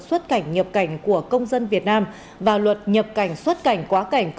xuất cảnh nhập cảnh của công dân việt nam và luật nhập cảnh xuất cảnh quá cảnh cư trú của